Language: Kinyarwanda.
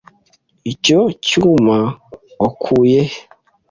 Icyo cyuma wakuye he?